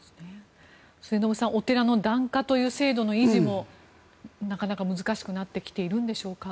末延さんお寺の檀家という制度の維持もなかなか難しくなってきているんでしょうか。